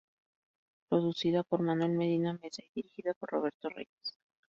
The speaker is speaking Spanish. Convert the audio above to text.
Producida por Manuel Medina Mesa y dirigida por Roberto Reyes.